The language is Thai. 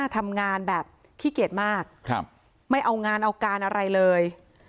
ทำงานแบบขี้เกียจมากไม่เอางานเอาการอะไรเลย